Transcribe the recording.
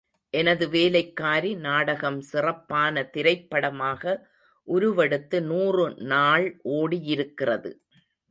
எனது வேலைக்காரி நாடகம் சிறப்பான திரைப்படமாக உருவெடுத்து நூறு நாள் ஒடியிருக்கிறது.